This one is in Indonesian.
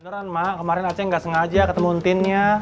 beneran ma kemarin aceh gak sengaja ketemu untinnya